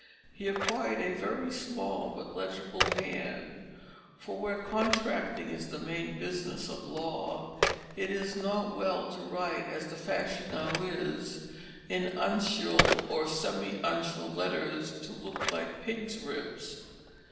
He acquired a very small but legible hand, for where contracting is the main business (of law) it is not well to write as the fashion now is, in uncial or semi uncial letters to look like a pig's ribs.